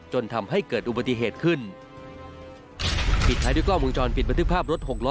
จนทำให้เกิดอุบัติเหตุขึ้นปิดท้ายด้วยกล้องวงจรปิดบันทึกภาพรถหกล้อ